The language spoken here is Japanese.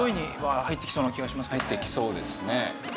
入ってきそうですね。